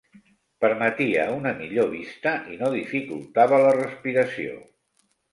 Permetia una millor vista i no dificultava la respiració.